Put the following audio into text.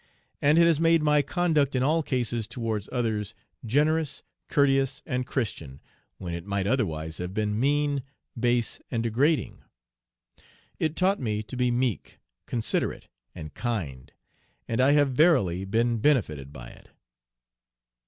And it has made my conduct in all cases towards others generous, courteous, and Christian, when it might otherwise have been mean, base, and degrading. It taught me to be meek, considerate, and kind, and I have verily been benefited by it.